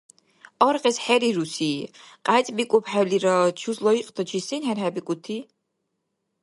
Аргъес хӀерируси — къяйцӀбикӀухӀелира чус лайикьтачи сен хӀерхӀебикӀути?